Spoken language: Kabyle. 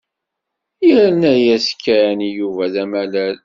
Yerna-as Ken i Yuba d amalal.